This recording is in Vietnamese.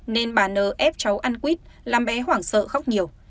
nên bà n f cháu ăn quýt làm bé hoảng sợ khóc nhiều